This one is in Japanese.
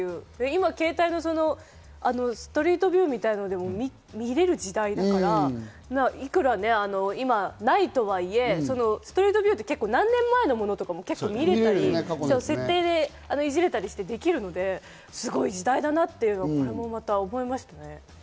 今、携帯のストリートビューみたいなもので見れる時代だから、いくら今ないとはいえ、ストリートビューは何年前のものとかも見れたり、設定でいじれたりしてできるので、すごい時代だなと思いましたね。